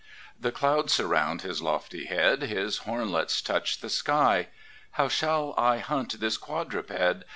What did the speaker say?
The clouds surround his lofty head, His hornlets touch the sky. How shall I hunt this quadruped?